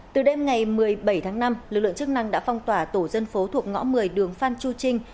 từ đêm ngày một mươi bảy tháng năm lực lượng chức năng đã phong tỏa tổ dân phố thuộc ngõ một mươi đường phan chu trinh